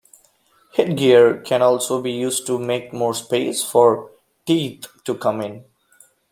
Headgear can also be used to make more space for teeth to come in.